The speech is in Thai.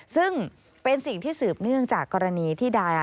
ซึ่งเป็นสิ่งที่สืบเนื่องจากกรณีที่ดา